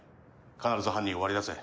必ず犯人を割り出せ。